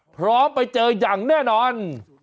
พร้อมไปเจออย่างแน่นอน